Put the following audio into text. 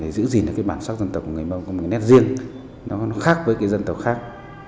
giữ gìn được cái bản sắc dân tộc của người mông có một cái nét riêng nó khác với cái dân tộc khác